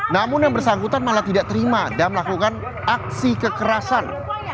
namun yang bersangkutan malah tidak terima dan melakukan aksi kekerasan